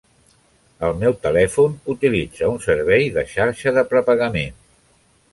El meu telèfon utilitza un servei de xarxa de prepagament.